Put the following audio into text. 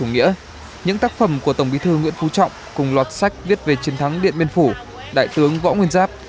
những tác phẩm của tổng bí thư nguyễn phú trọng cùng loạt sách viết về chiến thắng điện biên phủ đại tướng võ nguyên giáp